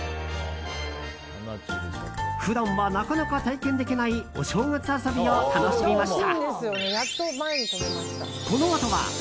普段はなかなか体験できないお正月遊びを楽しみました。